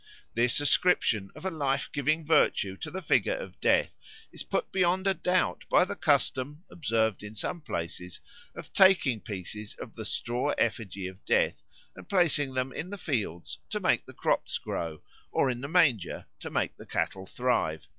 This ascription of a life giving virtue to the figure of Death is put beyond a doubt by the custom, observed in some places, of taking pieces of the straw effigy of Death and placing them in the fields to make the crops grow, or in the manger to make the cattle thrive.